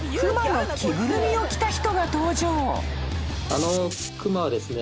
あのクマはですね